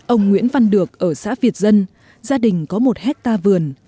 ông nguyễn văn được ở xã việt dân gia đình có một hectare vườn